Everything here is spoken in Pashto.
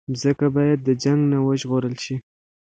مځکه باید د جنګ نه وژغورل شي.